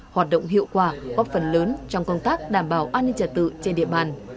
hoạt động hiệu quả góp phần lớn trong công tác đảm bảo an ninh trả tự trên địa bàn